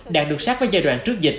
đạt được sát với giai đoạn trước dịch